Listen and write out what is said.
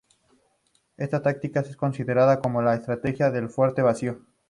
Esta táctica es conocida como la "estrategia del fuerte vacío".